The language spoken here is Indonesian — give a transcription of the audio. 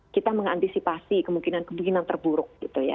kita mengantisipasi kemungkinan kemungkinan terburuk